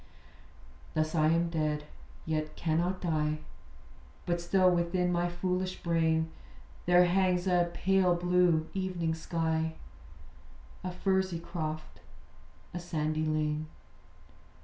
Thus am I dead: yet cannot die: But still within my foolish brain There hangs a pale blue evening sky; A furzy croft; a sandy lane.